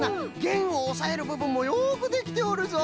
げんをおさえるぶぶんもよくできておるぞ。